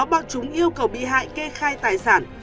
báo chúng yêu cầu bị hại kê khai tài sản